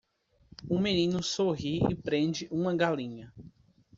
Um menino sorri e prende uma galinha.